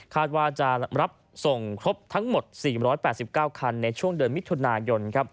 ว่าจะรับส่งครบทั้งหมด๔๘๙คันในช่วงเดือนมิถุนายน